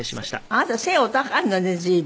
あなた背お高いのね随分。